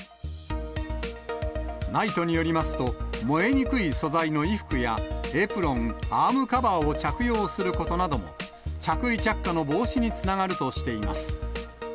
ＮＩＴＥによりますと、燃えにくい素材の衣服やエプロン、アームカバーを着用することなども、着衣着火の防止につながるとしています。